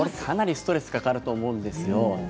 かなりストレスがかかると思うんですよ。